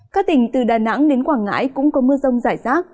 các tỉnh từ đà nẵng đến quảng ngãi cũng có mưa rông rải rác